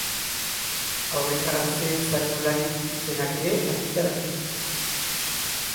Haur eta gazteentzako lanen itzulpenak ere argitaratu ditu.